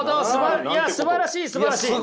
いやすばらしいすばらしい。